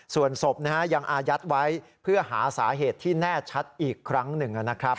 ส่วนศพยังอายัดไว้เพื่อหาสาเหตุที่แน่ชัดอีกครั้งหนึ่งนะครับ